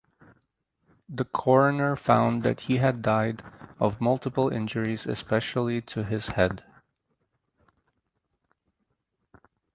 The coroner found that he had died of multiple injuries especially to his head.